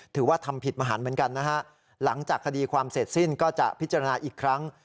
ถือว่าทำผิดมหันเหมือนกันนะฮะหลังจากคดีความเสร็จสิ้นก็จะพิจารณาอีกครั้ง